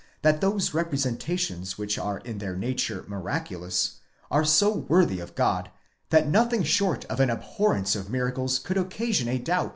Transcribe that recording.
that those representations which are in their nature miraculous are so worthy of God, that nothing short of an abhorrence of miracles could occasion a doubt.